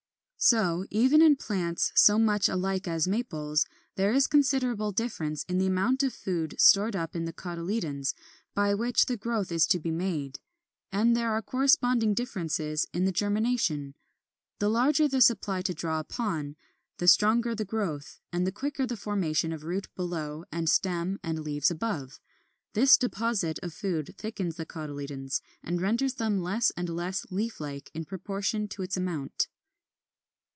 ] 23. So, even in plants so much alike as Maples, there is considerable difference in the amount of food stored up in the cotyledons by which the growth is to be made; and there are corresponding differences in the germination. The larger the supply to draw upon, the stronger the growth, and the quicker the formation of root below and of stem and leaves above. This deposit of food thickens the cotyledons, and renders them less and less leaf like in proportion to its amount.